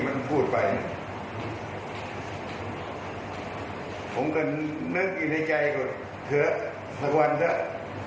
มาพูกไปเนี่ยผมก็เนิ่นในใจก็เธอสักวันค่ะ